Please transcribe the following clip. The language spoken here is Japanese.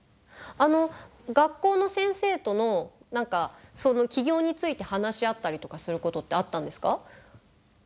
あの学校の先生との何かその起業について話し合ったりとかすることってあったんですか？